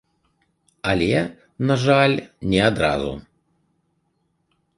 Але, на жаль, не адразу.